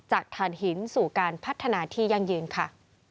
ฐานหินสู่การพัฒนาที่ยั่งยืนค่ะ